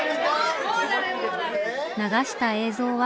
流した映像は１分。